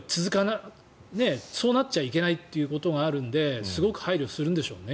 そうなっちゃいけないということがあるのですごく配慮するんでしょうね。